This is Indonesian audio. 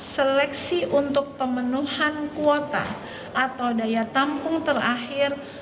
seleksi untuk pemenuhan kuota atau daya tampung terakhir